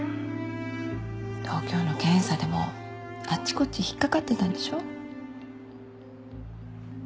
東京の検査でもあっちこっち引っ掛かってたんでしょう？